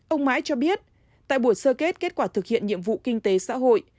ông mãi cho biết tại buổi sơ kết kết quả thực hiện nhiệm vụ kinh tế xã hội